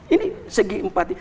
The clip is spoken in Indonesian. ini segi empat